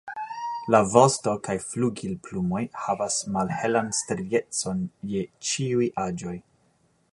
La vosto kaj flugilplumoj havas malhelan striecon je ĉiuj aĝoj.